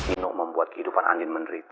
itu membuat kehidupan andin menderita